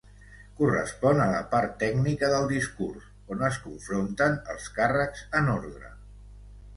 Correspon a la part tècnica del discurs, on es confronten els càrrecs en ordre.